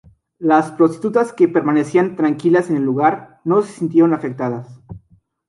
Las prostitutas que permanecían tranquilas en el lugar no se sintieron afectadas.